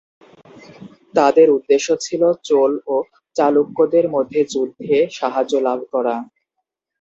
তাদের উদ্দেশ্য ছিল চোল ও চালুক্যদের মধ্যে যুদ্ধে সাহায্য লাভ করা।